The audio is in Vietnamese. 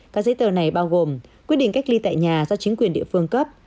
các giấy tờ này bao gồm quyết định cách ly tại nhà do chính quyền địa phương cấp